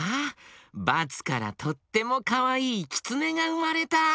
バツからとってもかわいいキツネがうまれた！